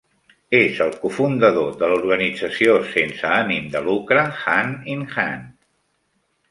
És el cofundador de l'organització sense ànim de lucre Hand in Hand.